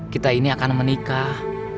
kita ini akan menikah